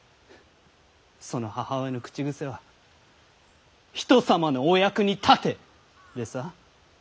その母親の口癖は「人様のお役に立て」でさ。